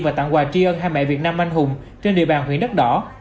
và tặng quà tri ân hai mẹ việt nam anh hùng trên địa bàn huyện đất đỏ